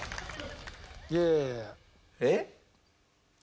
いやいや。えっ？